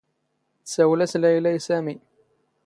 ⵜⵙⴰⵡⵍ ⴰⵙ ⵍⴰⵢⵍⴰ ⵉ ⵙⴰⵎⵉ.